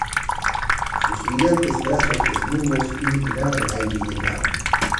Sus brillantes brazos desnudos iluminaban el aire y el mar.